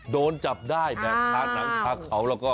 โดนจับได้แบบฮาขาวแล้วก็